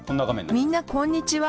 みんな、こんにちは。